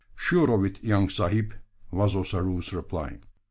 "Sure of it, young sahib," was Ossaroo's reply.